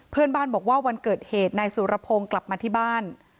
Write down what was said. เพื่อนบ้านบอกว่าวันเกิดเหตุนายสุรพงศ์กลับมาที่บ้าน